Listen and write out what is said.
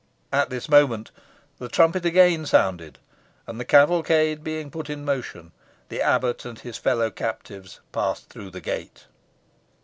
At this moment the trumpet again sounded, and the cavalcade being put in motion, the abbot and his fellow captives passed through the gate.